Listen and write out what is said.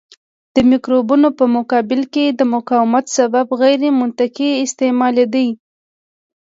د مکروبونو په مقابل کې د مقاومت سبب غیرمنطقي استعمال دی.